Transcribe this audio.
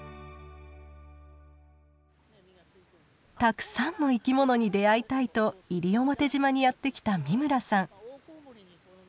たくさんの生き物に出会いたいと西表島にやって来た美村さん。